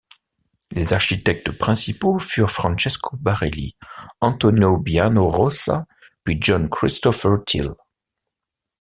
Les architectes principaux furent Francesco Barelli, Antonio Bianno Rossa puis John Christopher Tyll.